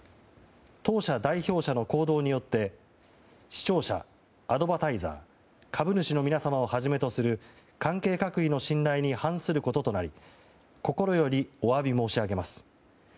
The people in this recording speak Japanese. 当社代表者の行動によって視聴者、アドバタイザー株主の皆様をはじめとする関係各位の信頼に反することとなり心よりお詫び申し上げます。